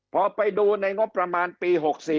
พอไปดูในงบประมาณปี๖๔